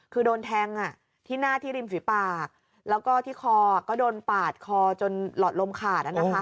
คือโดนแทงที่หน้าที่ริมฝีปากแล้วก็ที่คอก็โดนปาดคอจนหลอดลมขาด